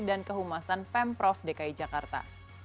dan kehumasan pemprov dki jakarta